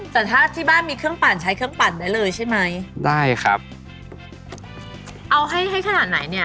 แต่ถ้าที่บ้านมีเครื่องปั่นใช้เครื่องปั่นได้เลยใช่ไหมได้ครับเอาให้ให้ขนาดไหนเนี่ย